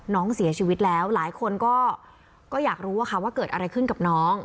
น้องเสียชีวิตแล้วหลายคนก็อยากรู้ว่าเกิดอะไรขึ้นกับน้อง